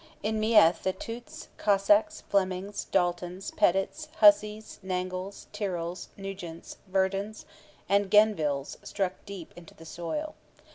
In Meath the Tuites, Cusacks, Flemings, Daltons, Petits, Husseys, Nangles, Tyrrells, Nugents, Verdons, and Gennevilles, struck deep into the soil.